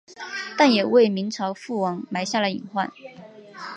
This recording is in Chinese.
但也为明朝覆亡埋下了隐患。